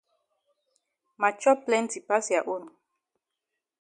Ma chop plenti pass ya own.